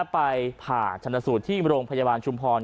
ไปผ่าชนสูตรที่โรงพยาบาลชุมพร